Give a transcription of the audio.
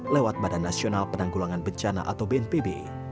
lewat badan nasional penanggulangan bencana atau bnpb